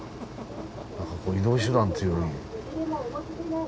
何か移動手段っていうより。